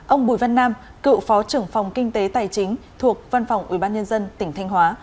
ông bùi văn nam cựu phó trưởng phòng kinh tế tài chính thuộc văn phòng ubnd tỉnh thanh hóa